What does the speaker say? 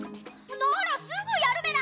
ならすぐやるメラ！